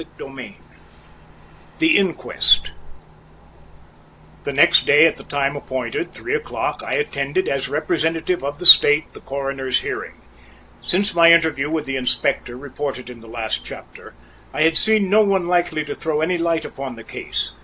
CHAPTER V THE INQUEST The next day at the time appointed, three o'clock, I attended, as representative of the State, the Coroner's hearing. Since my interview with the Inspector, reported in the last chapter, I had seen no one likely to throw any light upon the case.